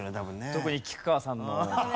特に菊川さんの。